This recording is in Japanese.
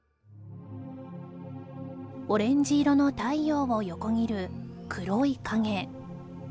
オレンジ色の太陽を横切る黒い影